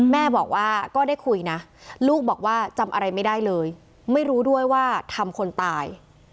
แม่บอกว่าก็ได้คุยนะลูกบอกว่าจำอะไรไม่ได้เลยไม่รู้ด้วยว่าทำคนตาย